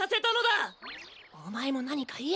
おまえもなにかいえ。